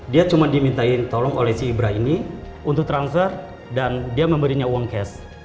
dia cuma dimintain tolong oleh si ibrah ini untuk transfer dan dia memberinya uang cash